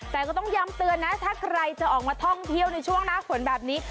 แต่ก็ต้องย้ำเตือนนะถ้าใครจะออกมาท่องเที่ยวในช่วงหน้าฝนแบบนี้